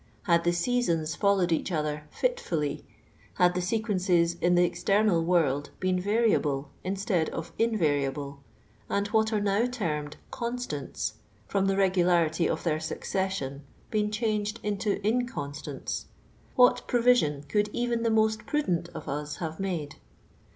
Had the s«'asons fol lowed each other fitftiUy, — had ihe sequences in the external world lieen variable instead <»f inva riable, and what are now termed '' comttauts " from the regularity of their succession been changed into inconstants, — what provision roiilil even the ni'ist prudent of us have made.